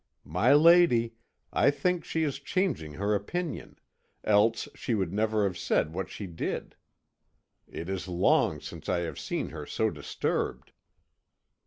"My lady, I think she is changing her opinion else she would never have said what she did. It is long since I have seen her so disturbed."